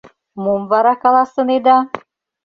Мом вара каласынеда?